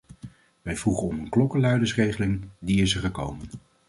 Wij vroegen om een klokkenluidersregeling, die is er gekomen.